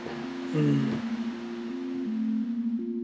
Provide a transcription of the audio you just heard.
うん。